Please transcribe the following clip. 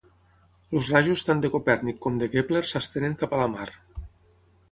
Els rajos tant de Copèrnic com de Kepler s'estenen cap a la mar.